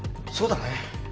そうだね。